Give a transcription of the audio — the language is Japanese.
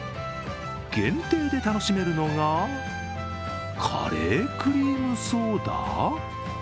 限定で楽しめるのがカレークリームソーダ！？